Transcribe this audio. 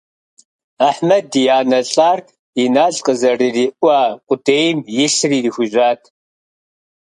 Ахьмэд и анэ лӀар Инал къызэрыриӀуа къудейм и лъыр ирихужьат.